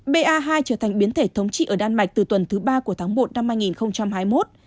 ba hai trở thành biến thể thống trị ở đan mạch từ tuần thứ ba của tháng một năm hai nghìn hai mươi một